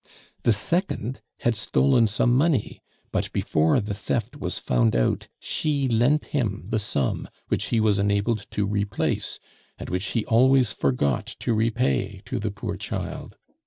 "The second had stolen some money; but before the theft was found out, she lent him the sum, which he was enabled to replace, and which he always forgot to repay to the poor child.